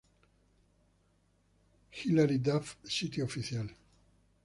Hilary Duff Sitio Oficial